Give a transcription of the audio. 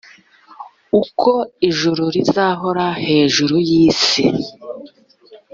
uko ijuru rizahora hejuru y’isi.